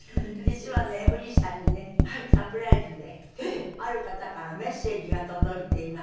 実はね藤さんにねサプライズである方からメッセージが届いています。